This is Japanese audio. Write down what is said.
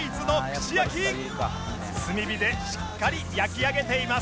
炭火でしっかり焼き上げています